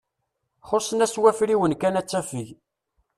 Xusen-as wafriwen kan ad tafeg.